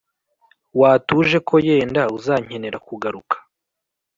Watuje ko yenda uzankenera kugaruka